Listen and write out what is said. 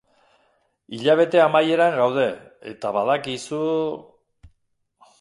Hilabete amaieran gaude, eta badakizu...